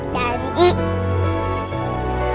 kak vita aku takut